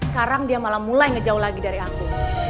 sekarang dia malah mulai ngejau lagi dari aku